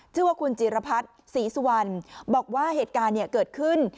ชื่อว่าคุณจิรพัฒน์ศรีสุวรรณบอกว่าเหตุการณ์เกิดขึ้น